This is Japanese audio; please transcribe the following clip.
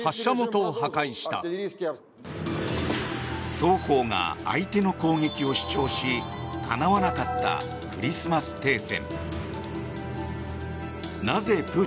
双方が相手の攻撃を主張しかなわなかったクリスマス停戦。